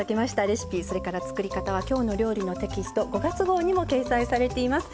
レシピそれから作り方は「きょうの料理」のテキスト５月号にも掲載されています。